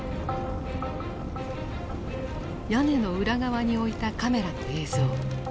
屋根の裏側に置いたカメラの映像。